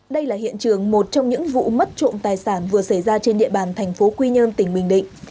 đây là hiện trường một trong những vụ mất trộm tài sản vừa xảy ra trên địa bàn thành phố quy nhơn tỉnh bình định